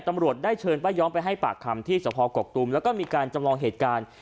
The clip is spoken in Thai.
ตำรวจได้เชิญป้าย้อมไปให้ปากคำที่สภกกตูมแล้วก็มีการจำลองเหตุการณ์